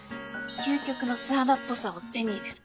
「究極の素肌っぽさを手に入れる」。